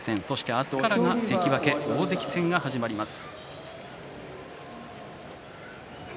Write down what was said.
明日からは関脇大関戦が始まります。